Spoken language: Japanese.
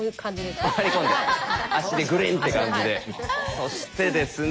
そしてですね